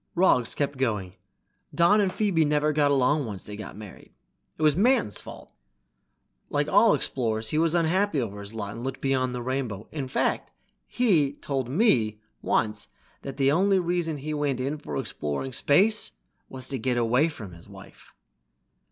Roggs kept going. "Don and Phoebe never got along once they were married. It was Manton's fault. Like all explorers he was unhappy over his lot and looked beyond the rainbow. In fact, he told me once that the only reason he went in for exploring space was to get away from his wife."